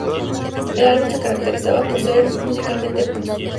El álbum se caracterizaba por ser musicalmente blues.